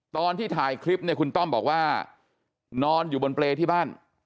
ตอนที่ถ่ายคลิปเนี่ยคุณต้อมบอกว่านอนอยู่บนเปรย์ที่บ้าน